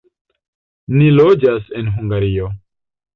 Ni loĝas en Hungario.